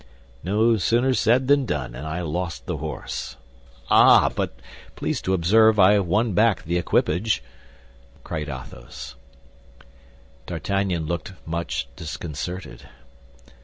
No sooner said than done, and I lost the horse. Ah, ah! But please to observe I won back the equipage," cried Athos. D'Artagnan looked much disconcerted.